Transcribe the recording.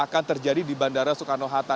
akan terjadi di bandara soekarno hatta